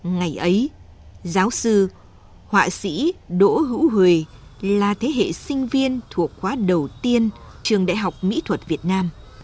ngày ấy giáo sư họa sĩ đỗ hữu hời là thế hệ sinh viên thuộc khóa đầu tiên trường đại học mỹ thuật việt nam